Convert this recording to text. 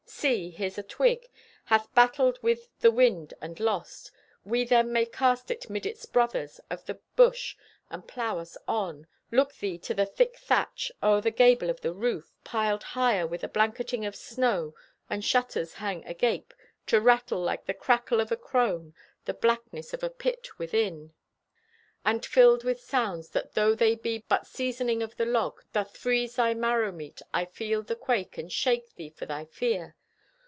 See! Here a twig Hath battled with the wind, and lost. We then may cast it 'mid its brothers Of the bush and plow us on. Look ye to the thick thatch O'er the gable of the roof, Piled higher with a blanketing of snow; And shutters hang agape, to rattle Like the cackle of a crone. The blackness of a pit within, And filled with sounds that tho' they be But seasoning of the log, doth freeze Thy marrowmeat. I feel the quake And shake thee for thy fear.